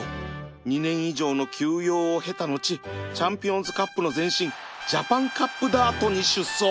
２年以上の休養を経た後チャンピオンズカップの前身ジャパンカップダートに出走